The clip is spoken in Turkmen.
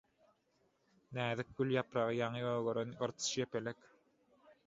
Näzik gül ýapragy, ýaňy gögeren gyrtyç, ýepelek...